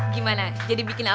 di mana juga nak pendekek